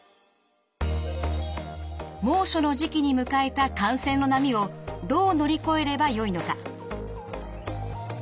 猛暑の時期に迎えた感染の波をどう乗りこえればよいのか？